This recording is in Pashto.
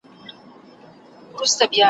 تور بورا دي وزر بل محفل ته یوسي ,